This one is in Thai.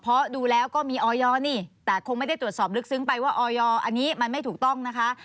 เพราะดูแล้วก็มีออยนี่แต่คงไม่ได้ตรวจสอบลึกซึ้งไปว่าออยอันนี้มันไม่ถูกต้องนะคะ